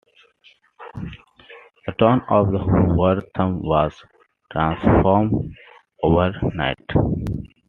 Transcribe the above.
The town of Wortham was transformed overnight.